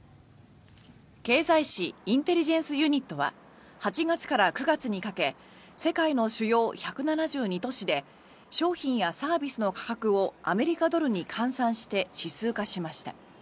経済誌「インテリジェンスユニット」は８月から９月にかけ世界の主要１７２都市で商品やサービスの価格をアメリカドルに換算して指数化しました。